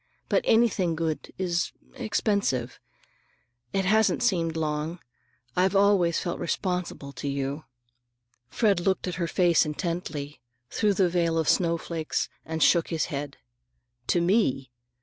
But anything good is—expensive. It hasn't seemed long. I've always felt responsible to you." Fred looked at her face intently, through the veil of snowflakes, and shook his head. "To me?